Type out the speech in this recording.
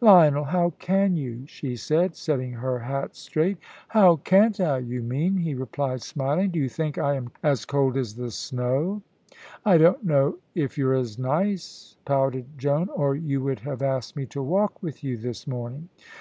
"Lionel, how can you?" she said, setting her hat straight. "How can't I, you mean," he replied, smiling; "do you think I am as cold as the snow?" "I don't know if you're as nice," pouted Joan, "or you would have asked me to walk with you this morning."